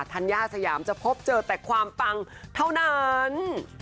ัญญาสยามจะพบเจอแต่ความปังเท่านั้น